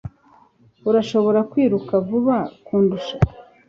arashobora kwiruka vuba kundusha